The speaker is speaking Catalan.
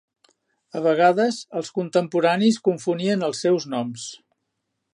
A vegades els contemporanis confonien els seus noms.